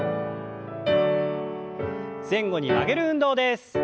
前後に曲げる運動です。